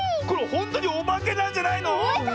ほんとにおばけなんじゃないの⁉